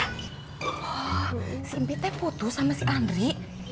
wah si impi tep foto sama si andri